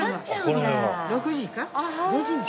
６時か。